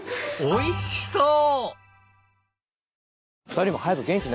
おいしそう！